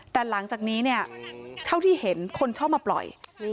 แต่หลังจากนี้เนี่ยเท่าที่เห็นคนชอบมาปล่อย